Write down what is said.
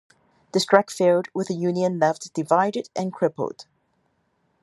The strike failed with the union left divided and crippled.